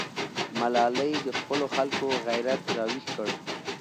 ملالۍ د خپلو خلکو غیرت راویښ کړ.